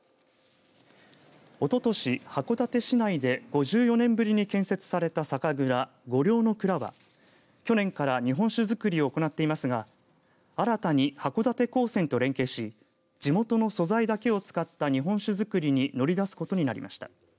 おととし函館市内で５４年ぶりに建設された酒蔵五稜乃蔵は去年から日本酒造りを行っていますが新たに函館高専と連携し地元の素材だけを使った日本酒造りに乗り出すことになりました。